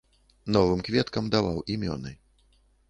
Новым кветкам даваў імёны.